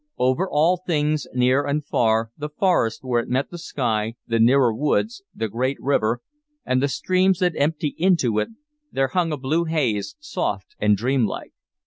Over all things, near and far, the forest where it met the sky, the nearer woods, the great river, and the streams that empty into it, there hung a blue haze, soft and dream like.